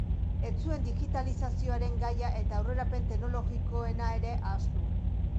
Ez zuen digitalizazioaren gaia eta aurrerapen teknologikoena ere ahaztu.